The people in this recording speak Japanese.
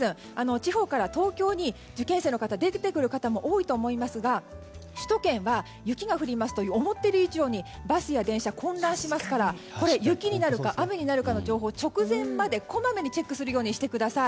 地方から東京に受験生の方出てくる方も多いと思いますが首都圏は雪が降りますと思っている以上にバスや電車が混乱しますから雪になるか雨になるかの情報を直前までこまめにチェックするようにしてください。